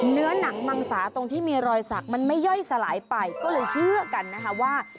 เนื้อหนังมังสาตรงที่มีรอยสักมันไม่ย่อยสลายไปก็เลยเชื่อกันนะคะว่า